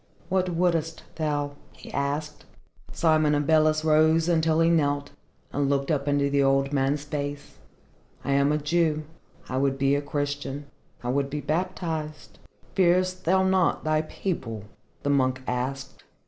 "What wouldest thou?" he asked. Simon Abeles rose until he knelt, and looked up into the old man's face. "I am a Jew. I would be a Christian. I would be baptized." "Fearest thou not thy people?" the monk asked.